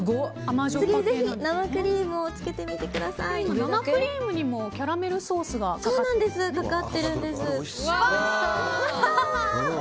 次、ぜひ生クリームを生クリームにもキャラメルソースがかかっています。